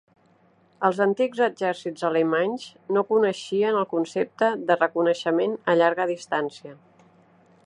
Els antics exèrcits alemanys no coneixien el concepte de reconeixement a llarga distància.